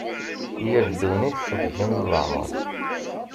Yir ddunit teɣzi n leɛmer.